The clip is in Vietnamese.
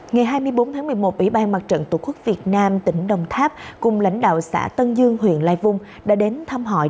ngày hai mươi bốn tháng một mươi một ủy ban mặt trận tổ quốc việt nam tỉnh đồng tháp cùng lãnh đạo xã tân dương huyện lai vung đã đến thăm hỏi